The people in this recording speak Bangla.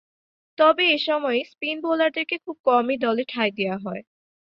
তবে, এ সময়ে স্পিন বোলারদেরকে খুব কমই দলে ঠাঁই দেয়া হতো।